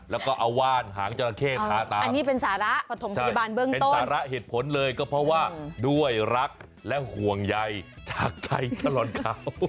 และเหตุผลเลยก็เพราะว่าด้วยรักและห่วงใยจากใจตลอดเขา